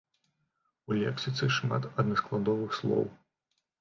У лексіцы шмат аднаскладовых слоў.